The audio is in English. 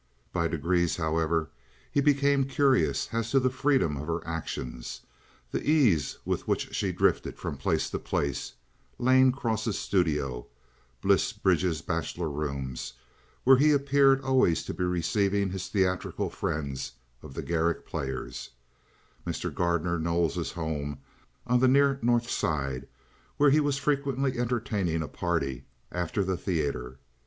By degrees, however, he became curious as to the freedom of her actions, the ease with which she drifted from place to place—Lane Cross's studio; Bliss Bridge's bachelor rooms, where he appeared always to be receiving his theatrical friends of the Garrick Players; Mr. Gardner Knowles's home on the near North Side, where he was frequently entertaining a party after the theater.